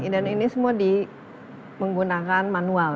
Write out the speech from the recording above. dan ini semua di menggunakan manual ya